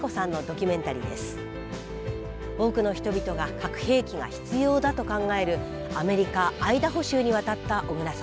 多くの人々が核兵器が必要だと考えるアメリカ・アイダホ州に渡った小倉さん。